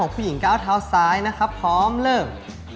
ผู้หญิงก้าวเท้าซ้ายนะครับพร้อมเลิก